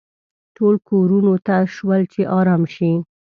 ټول کورونو ته شول چې ارام شي.